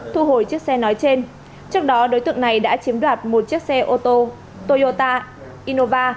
thu hồi chiếc xe nói trên trước đó đối tượng này đã chiếm đoạt một chiếc xe ô tô toyota innova